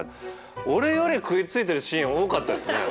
俺より食いついてるシーン多かったですね。